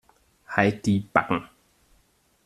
Halt die Backen.